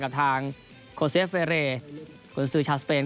กับทางโคเซเฟรร์คุณซื้อชาวสเปน